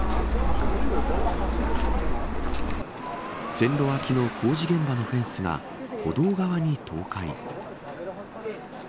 線路脇の工事現場のフェンスが歩道側に倒壊。